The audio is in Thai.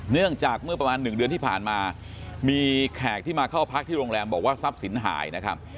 เนื่องจากเมื่อประมาณ๑เดือนที่ผ่านมามีแขกที่มาเข้าพักที่โรงแรมบอกว่าทรัพย์สินหายนะครับ